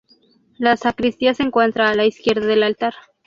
La sacristía se encuentra a la izquierda del altar.